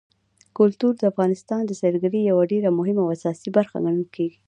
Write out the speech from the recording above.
کلتور د افغانستان د سیلګرۍ یوه ډېره مهمه او اساسي برخه ګڼل کېږي.